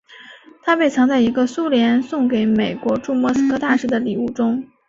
它被藏在一个苏联送给美国驻莫斯科大使的礼物中。